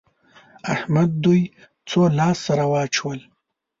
احمد دوی څو لاس سره واچول؟